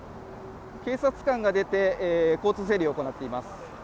警察官が出て交通整理を行っています。